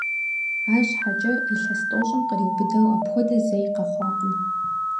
Арщхьэкӏэ илъэс тӏощӏым къриубыдэу апхуэдэ зэи къэхъуакъым.